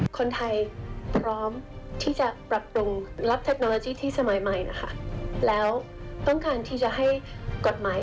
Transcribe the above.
คนไทยพร้อมที่จะปรับปรุงรับเทคโนโลยีที่สมัยใหม่นะคะแล้วต้องการที่จะให้กฎหมาย